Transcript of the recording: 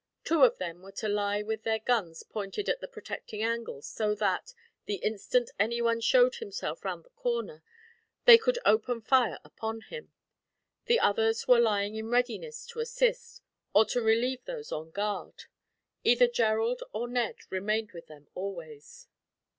Two of them were to lie with their guns pointed at the protecting angle so that, the instant anyone showed himself round the corner, they could open fire upon him. The others were lying in readiness to assist, or to relieve those on guard. Either Gerald or Ned remained with them, always.